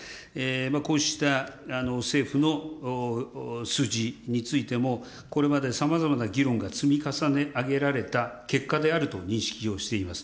こうした政府の数字についても、これまでさまざまな議論が積み重ねあげられた結果であると認識をしています。